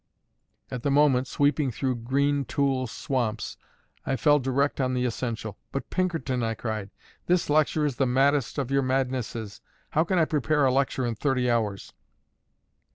At the moment, sweeping through green tule swamps, I fell direct on the essential. "But, Pinkerton," I cried, "this lecture is the maddest of your madnesses. How can I prepare a lecture in thirty hours?"